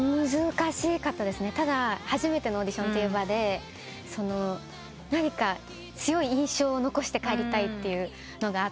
ただ初めてのオーディションという場で何か強い印象を残して帰りたいというのがあって。